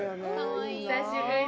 久しぶり。